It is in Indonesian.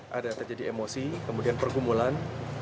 ada terjadi emosi kemudian pergumulan